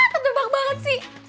tentu banget sih